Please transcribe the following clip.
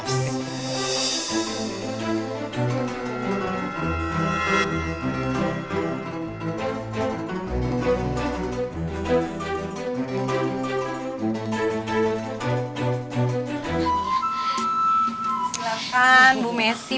silahkan bu messi